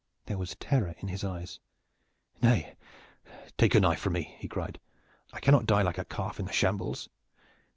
There was terror in his eyes. "Nay, take your knife from me!" he cried. "I cannot die like a calf in the shambles."